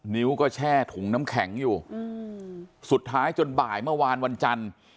นิ้วก็แช่ถุงน้ำแข็งอยู่สุดท้ายจนบ่ายเมื่อวานวันจันทร์